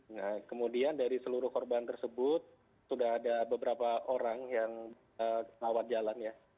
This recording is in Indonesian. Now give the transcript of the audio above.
nah kemudian dari seluruh korban tersebut sudah ada beberapa orang yang rawat jalan ya